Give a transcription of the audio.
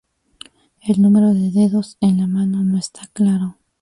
El número de dedos en la mano no está claro.